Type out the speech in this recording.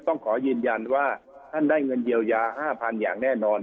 ต้องขอยืนยันว่าท่านได้เงินเยียวยา๕๐๐๐อย่างแน่นอน